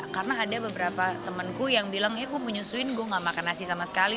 karena ada beberapa temenku yang bilang ya aku menyusuin gue gak makan asi sama sekali